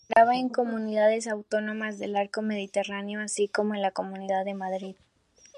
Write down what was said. Operaba en comunidades autónomas del arco mediterráneo así como en la Comunidad de Madrid.